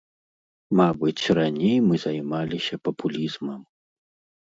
Мабыць, раней мы займаліся папулізмам.